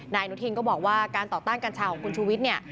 อนุทินก็บอกว่าการต่อต้านกัญชาของคุณชูวิทย์เนี่ย